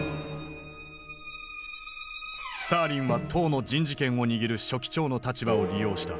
スターリンは党の人事権を握る書記長の立場を利用した。